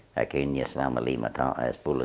karena itu yang saya inginkan